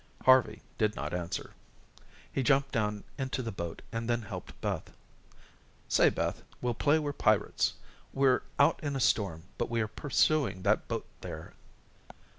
Harvey did not answer. He jumped down into the boat, and then helped Beth. "Say, Beth, we'll play we're pirates. We're out in a storm, but we are pursuing that boat there."